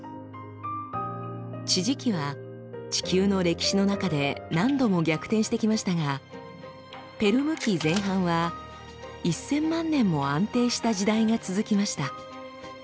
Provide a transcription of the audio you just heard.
地磁気は地球の歴史の中で何度も逆転してきましたがペルム紀前半は１，０００万年も安定した時代が続きました。